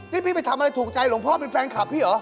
นี่พี่ไปทำอะไรถูกใจหลวงพ่อเป็นแฟนคลับพี่เหรอ